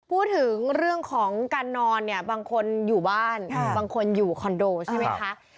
พูดถึงเรื่องของการนอนเนี่ยบางคนอยู่บ้านบางคนอยู่คอนโดใช่ไหมคะ